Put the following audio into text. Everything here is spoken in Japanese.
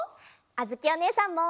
あづきおねえさんも！